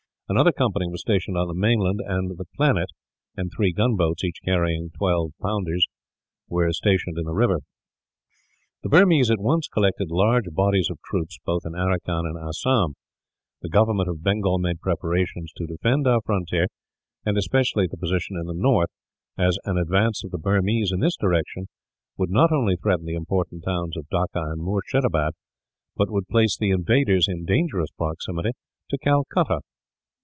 Another company was stationed on the mainland, and the Planet and three gunboats, each carrying a twelve pounder, were stationed in the river. The Burmese at once collected large bodies of troops, both in Aracan and Assam. The government of Bengal made preparations to defend our frontier, and especially the position in the north, as an advance of the Burmese in this direction would not only threaten the important towns of Dacca and Moorshedabad, but would place the invaders in dangerous proximity to Calcutta.